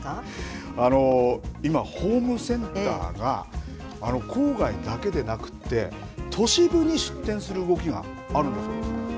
今、ホームセンターが郊外だけでなくて、都市部に出店する動きがあるんだそうです。